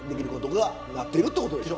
なってるってことでしょ。